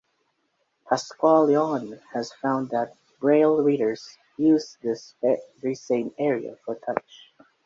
Pascual-Leone has found that Braille readers use this very same area for touch.